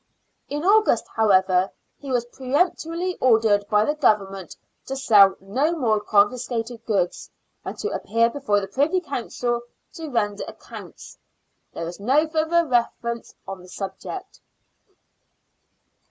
In August, however, he was peremptorily ordered by the Government to sell no more confiscated goods, and to appear before the Privy Council to render accounts. There is no further reference to the subject.